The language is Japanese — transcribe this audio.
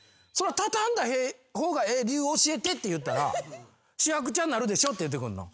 畳んだ方がええ理由教えてって言うたら「しわくちゃになるでしょ」って言ってくるの。